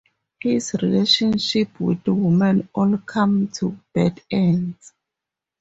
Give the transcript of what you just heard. His relationships with women all come to bad ends.